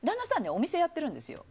お店やってるんですよ。